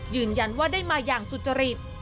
ยืนยันว่าได้มาอย่างสุจริต